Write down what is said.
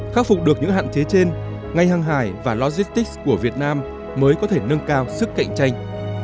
khắc phục được những hạn chế trên ngành hàng hải và logistics của việt nam mới có thể nâng cao sức cạnh tranh